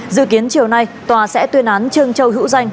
dự kiến chiều nay tòa sẽ tuyên án trương châu hữu danh